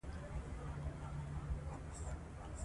دوی به په راتلونکي کې د هېواد خدمت وکړي.